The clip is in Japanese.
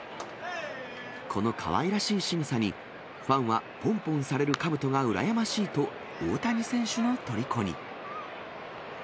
このかわいらしいしぐさに、ファンはぽんぽんされるかぶとがうらやましいと、大谷選手のとりこに。